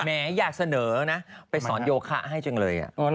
แม่อยากเสนอนะไปสอนโยคะให้จังเลย